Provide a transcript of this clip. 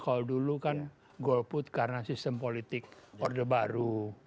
kalau dulu kan golput karena sistem politik orde baru